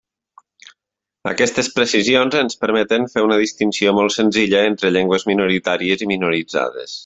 Aquestes precisions ens permeten fer una distinció molt senzilla entre llengües minoritàries i minoritzades.